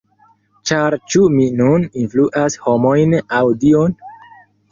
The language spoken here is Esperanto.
Ĉar ĉu mi nun influas homojn, aŭ Dion?